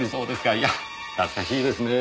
いや懐かしいですねぇ。